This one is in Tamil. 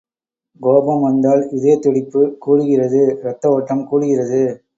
கோபம் வந்தால் இதயத் துடிப்பு கூடுகிறது இரத்த ஒட்டம் கூடுகிறது.